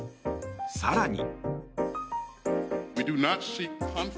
更に。